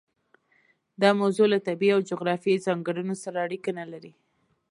دا موضوع له طبیعي او جغرافیوي ځانګړنو سره اړیکه نه لري.